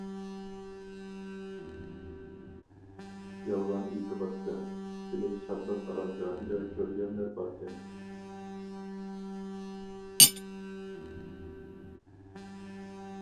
-يالغان ئېيتىۋاتىسەن، سېنى شادلىق ئارامگاھىدا كۆرگەنلەر باركەن.